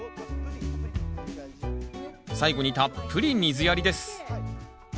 最後にたっぷり水やりです